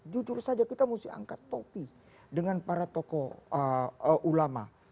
dua satu dua jujur saja kita harus angkat topi dengan para tokoh ulama